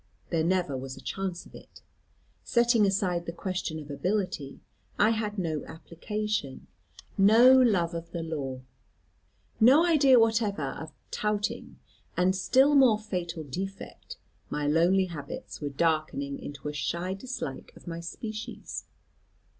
There never was a chance of it. Setting aside the question of ability, I had no application, no love of the law, no idea whatever of touting; and still more fatal defect, my lonely habits were darkening into a shy dislike of my species.